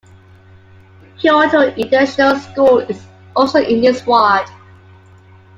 Kyoto International School is also in this ward.